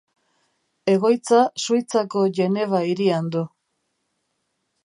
Egoitza Suitzako Geneva hirian du.